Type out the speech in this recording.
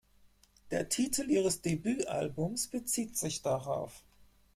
Der Titel ihres Debütalbums bezieht sich darauf.